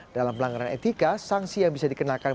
dalam pelanggaran etika sanksi yang bisa dikenakan